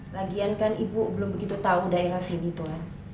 lagian kan ibu belum begitu tahu daerah sini tuhan